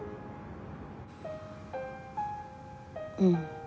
うん。